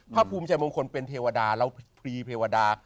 พระภูมิชัยมงคลเป็นเทวดาแล้วพรีเพวดา